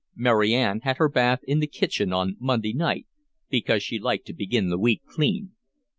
Mary Ann had her bath in the kitchen on Monday night, because she liked to begin the week clean.